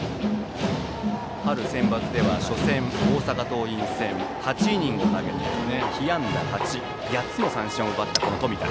春のセンバツでは初戦、大阪桐蔭戦で８イニングを投げて被安打８８つの三振を奪った冨田。